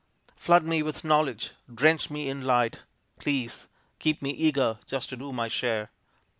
Flood me with knowledge, drench me in light. Please keep me eager just to do my share.